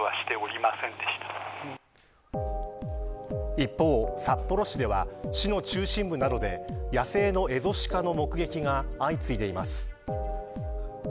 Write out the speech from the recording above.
一方、札幌市では市の中心部などで野生のエゾシカの目撃が相次いでいます。